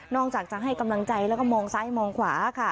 จากจะให้กำลังใจแล้วก็มองซ้ายมองขวาค่ะ